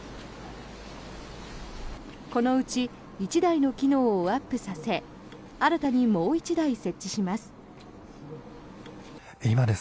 このうち１台の機能をアップさせ新たにもう１台設置します。